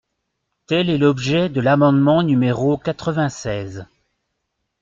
Tel est l’objet de l’amendement numéro quatre-vingt-seize.